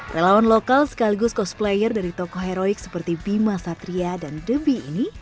relawan lokal sekaligus cosplayer dari tokoh heroik seperti bima satria dan debi ini